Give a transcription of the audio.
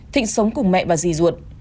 thịnh sống cùng mẹ và dì ruột